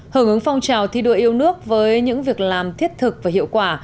hưởng ứng phong trào thi đua yêu nước với những việc làm thiết thực và hiệu quả